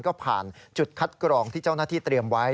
ก็ผ่านจุดคัดกรองที่เจ้าหน้าที่เตรียมไว้